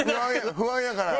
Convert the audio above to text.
不安やから。